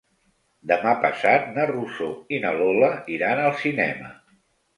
Demà passat na Rosó i na Lola iran al cinema.